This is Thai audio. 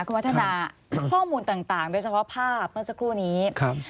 คุณวัฒนาข้อมูลต่างโดยเฉพาะภาพเมื่อสักครู่นี้ครับ